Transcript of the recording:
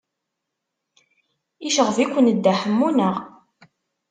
Yecɣeb-iken Dda Ḥemmu, naɣ?